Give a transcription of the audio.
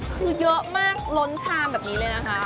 คือเยอะมากล้นชามแบบนี้เลยนะคะ